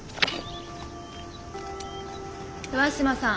上嶋さん